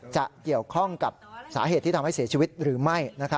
จะเกี่ยวข้องกับสาเหตุที่ทำให้เสียชีวิตหรือไม่